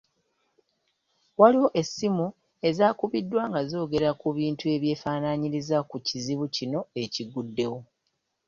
Waliwo essimu ezaakubiddwa nga zoogera ku bintu ebyefaanaanyiriza ku kizibu kino ekiguddewo .